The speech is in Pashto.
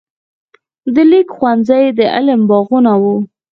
د لیک ښوونځي د علم باغونه وو.